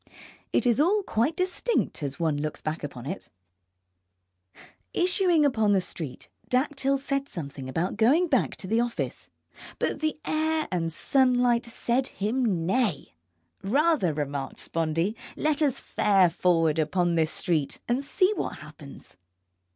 It is all quite distinct as one looks back upon it. Issuing upon the street, Dactyl said something about going back to the office, but the air and sunlight said him nay. Rather, remarked Spondee, let us fare forward upon this street and see what happens.